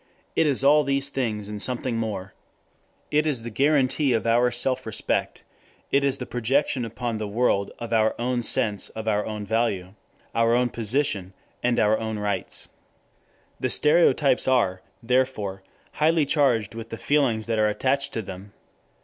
It is all these things and something more. It is the guarantee of our self respect; it is the projection upon the world of our own sense of our own value, our own position and our own rights. The stereotypes are, therefore, highly charged with the feelings that are attached to them.